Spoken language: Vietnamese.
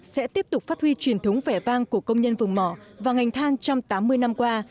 sẽ tiếp tục phát huy truyền thống vẻ vang của công nhân vùng mỏ và ngành than trong tám mươi năm qua